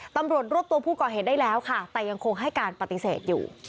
ตำรวจรวบตัวผู้ก่อเหตุได้แล้วค่ะแต่ยังคงให้การปฏิเสธอยู่